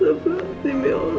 seberhasil seberhasil ya allah